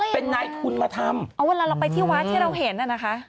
เป็นนายทุนมาทำอ๋อเวลาเราไปที่วัดที่เราเห็นน่ะนะคะ